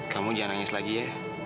kamu jangan nangis lagi ya